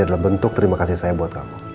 adalah bentuk terima kasih saya buat kamu